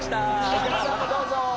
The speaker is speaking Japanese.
お客さんもどうぞ。